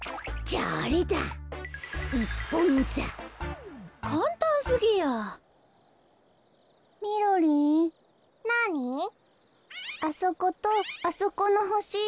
あそことあそこのほし。